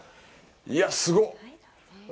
いや、すごっ！